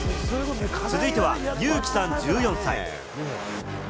続いてはユウキさん、１４歳。